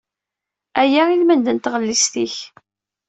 Aya i lmend n tɣellist-ik.